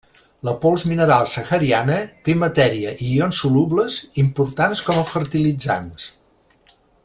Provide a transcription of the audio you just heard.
La pols mineral sahariana té matèria i ions solubles importants com a fertilitzants.